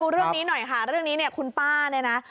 เรื่องนี้หน่อยค่ะเรื่องนี้เนี่ยคุณป้าเนี่ยนะ